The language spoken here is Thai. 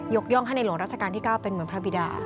ย่องให้ในหลวงราชการที่๙เป็นเหมือนพระบิดา